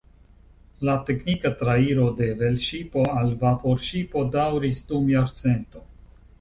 La teknika trairo de velŝipo al vaporŝipo daŭris dum jarcento.